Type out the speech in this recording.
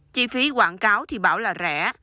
chi phí quảng cáo thì bảo là rẻ